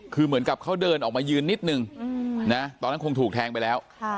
คือเหมือนกับเขาเดินออกมายืนนิดนึงนะตอนนั้นคงถูกแทงไปแล้ว